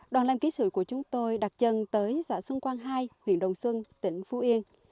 đoàn làm ký sự của chúng tôi đặt chân tới xã xuân quang hai huyện đồng xuân tỉnh phú yên